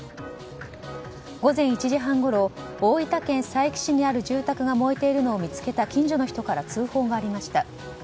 午前１時半ごろ大分県佐伯市にある住宅が燃えているのを見つけた近所の人から通報がありました。